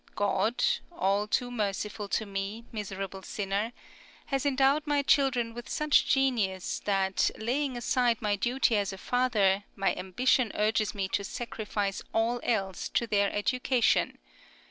God (all too merciful to me, miserable sinner) has endowed my children with such genius that, laying aside my duty as a father, my ambition urges me to sacrifice all else to their education.